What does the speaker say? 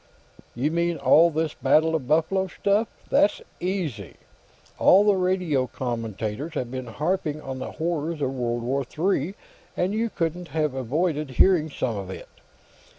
"You mean all this Battle of Buffalo stuff? That's easy. All the radio commentators have been harping on the horrors of World War III, and you couldn't have avoided hearing some of it.